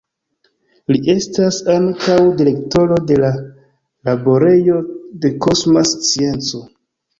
Li estas ankaŭ direktoro de la Laborejo de Kosma Scienco.